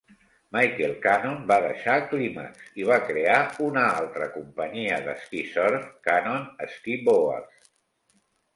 Michael Canon va deixar Klimax i va crear una altra companyia d'esquí-surf, Canon Skiboards.